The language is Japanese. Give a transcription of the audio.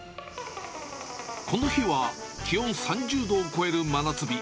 この日は、気温３０度を超える真夏日。